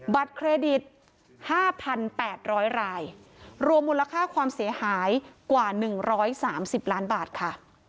บัตรเครดิต๕๘๐๐รายรวมมูลค่าความเสียหายกว่า๑๓๐ล้านบาทค่ะ